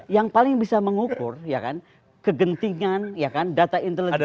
yang paling bisa mengukur kegentingan data intelijen